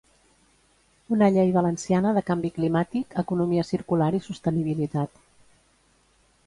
Una llei valenciana de canvi climàtic, economia circular i sostenibilitat.